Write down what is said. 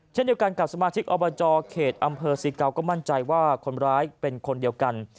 เช่นเดียวกันกับสมาชิกอบจเขตอำเภอศรีเกาก็มั่นใจว่าคนร้ายเป็นคนเดียวกัน